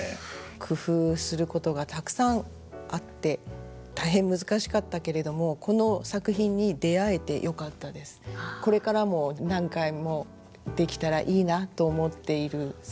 工夫することがたくさんあって大変難しかったけれどもこれからも何回もできたらいいなと思っている作品になりました。